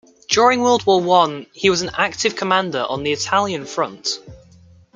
During World War One, he was an active commander on the Italian front.